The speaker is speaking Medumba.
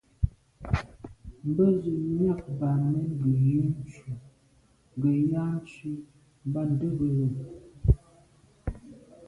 Mbə́zə́ myɑ̂k Bamen gə̀ yə́ ncʉ̂ gə̀ yá cú mbā ndə̂gə́lô.